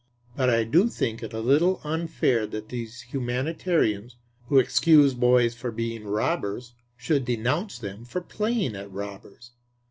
But I do think it a little unfair that these humanitarians, who excuse boys for being robbers, should denounce them for playing at robbers.